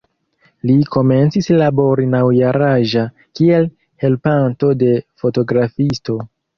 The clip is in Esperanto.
Li komencis labori naŭ-jaraĝa kiel helpanto de fotografisto.